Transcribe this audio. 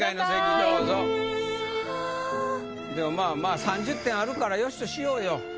でもまあまあ３０点あるから良しとしようよ。